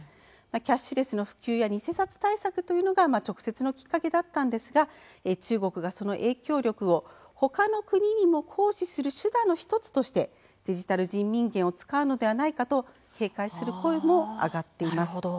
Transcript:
キャッシュレスの普及や偽札対策が直接のきっかけでしたが中国がその影響力をほかの国にも行使する手段の１つとしてデジタル人民元を使うのではないかと警戒する声も上がっています。